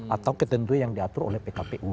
atau ketentuan yang diatur oleh pkpu